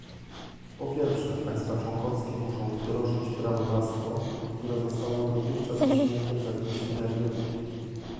Po pierwsze, państwa członkowskie muszą wdrożyć prawodawstwo, które zostało dotychczas przyjęte w zakresie energetyki